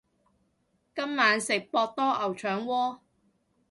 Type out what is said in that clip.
今晚食博多牛腸鍋